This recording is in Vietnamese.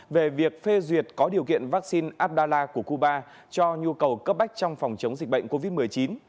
về việc phê duyệt có điều kiện vaccine abdallah của cuba cho nhu cầu cấp bách trong phòng chống dịch bệnh covid một mươi chín